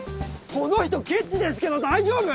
この人ケチですけど大丈夫？